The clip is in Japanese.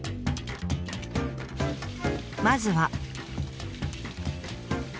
まずは。